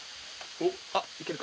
おっあっいけるか？